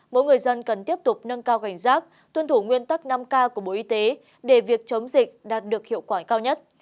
mỗi người dân cần tiếp tục nâng cao cảnh giác tuân thủ nguyên tắc năm k của bộ y tế để việc chống dịch đạt được hiệu quả cao nhất